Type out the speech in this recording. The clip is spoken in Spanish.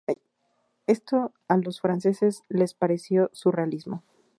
Esto a los franceses les pareció surrealismo.